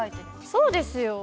そうですよ。